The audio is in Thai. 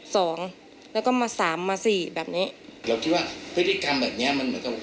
สองแล้วก็มาสามมาสี่แบบนี้เราคิดว่าพฤติกรรมแบบเนี้ยมันเหมือนกับ